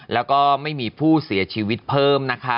และไม่มีผู้เสียชีวิตเพิ่ม